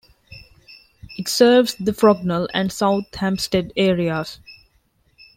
It serves the Frognal and South Hampstead areas.